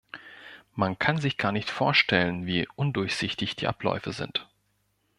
Man kann sich gar nicht vorstellen, wie undurchsichtig die Abläufe sind.